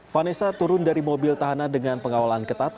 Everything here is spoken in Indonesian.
vanessa turun dari mobil tahanan dengan pengawalan ketat